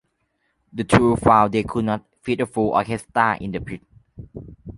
The two found they could not fit a full orchestra in the pit.